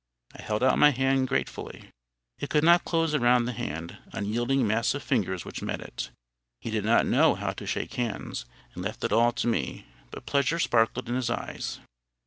I held out my hand gratefully. It could not close around the hard, unyielding mass of fingers which met it. He did not know how to shake hands, and left it all to me. But pleasure sparkled in his eyes.